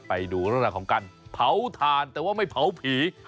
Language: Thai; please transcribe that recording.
ไปดูเรื่องราวของการเผาถ่านแต่ว่าไม่เผาผี